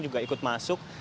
juga ikut masuk